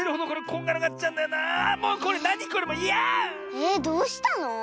えっどうしたの？